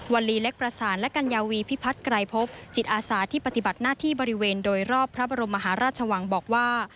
ลีเล็กประสานและกัญญาวีพิพัฒน์ไกรพบจิตอาสาที่ปฏิบัติหน้าที่บริเวณโดยรอบพระบรมมหาราชวังบอกว่า